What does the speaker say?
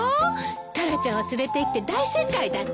タラちゃんを連れていって大正解だったわ。